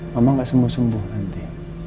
mama tidak sembuh sembuh nanti